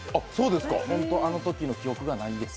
あのときの記憶がないんです。